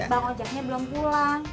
bang ojaknya belum pulang